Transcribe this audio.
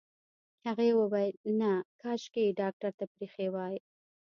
هغې وويل نه کاشکې يې ډاکټر ته پرېښې وای.